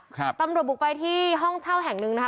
ครับตำหนดบุกไปที่ห้องเช่าแห่งนึงนะครับ